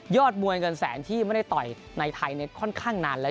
ยอดมวยกันแสนที่ไม่ได้ต่อยในไทยเนี่ยค่อนข้างนานแล้ว